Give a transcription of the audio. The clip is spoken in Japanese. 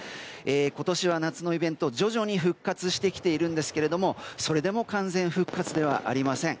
今年は夏のイベント徐々に復活してきているんですけどそれでも完全復活ではありません。